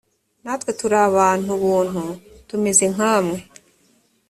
natwe turi abantu buntu tumeze nkamwe